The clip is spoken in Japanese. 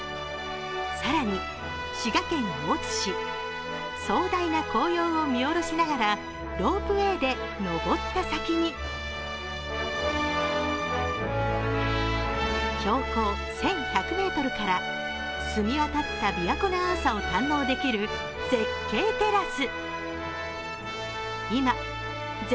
更に、滋賀県大津市、壮大な紅葉を見下ろしながらロープウエーで登った先に標高１１００ｍから澄み渡った琵琶湖の青さを堪能できる絶景テラス。